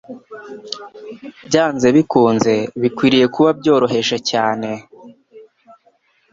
byanze bikunze, bikwiriye kuba byoroheje cyane,